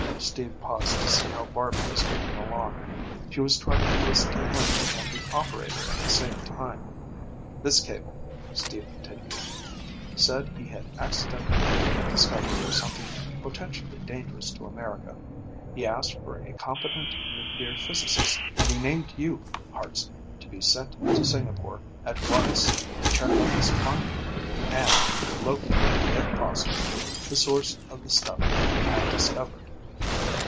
Steve paused to see how Barby was getting along. She was trying to listen to him and the operator at the same time. "This cable," Steve continued, "said he had accidentally made a discovery of something potentially dangerous to America. He asked for a competent nuclear physicist, and he named you, Hartson, to be sent to Singapore at once to check on his finding, and to locate, if possible, the source of the stuff he had discovered.